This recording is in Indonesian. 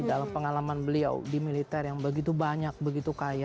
dalam pengalaman beliau di militer yang begitu banyak begitu kaya